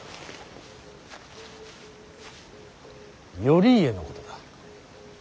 頼家のことだ。